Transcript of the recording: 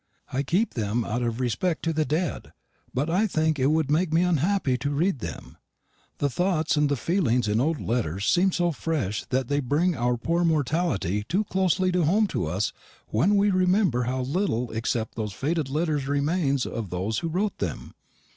I keep them out of respect to the dead; but I think it would make me unhappy to read them. The thoughts and the feelings in old letters seem so fresh that they bring our poor mortality too closely home to us when we remember how little except those faded letters remains of those who wrote them.